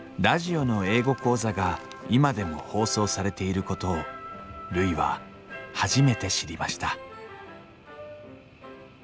ラジオの英語講座が今でも放送されていることをるいは初めて知りました